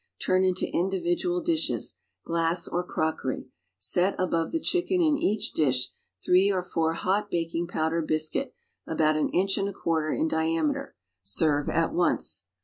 Turn into individual dishes, glass or crockery, set above the chicken in each dish three or four hot baking powder biscuit about an inch and a quarter in diameter. Serve at once.